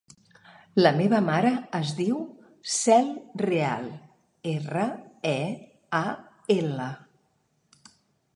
La meva mare es diu Cel Real: erra, e, a, ela.